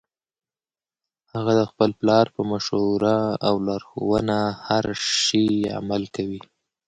هغه د خپل پلار په مشوره او لارښوونه هر شي عمل کوي